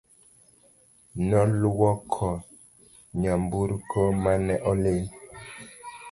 Noluoko nyamburko mane olil